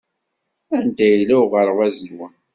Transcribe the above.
Anda yella uɣerbaz-nwen?